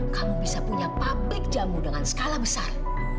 kamu bisa punya pabrik jamu dengan skala besar